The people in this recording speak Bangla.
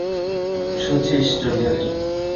শচীশ চলিয়া গেল।